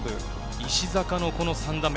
石坂の３打目。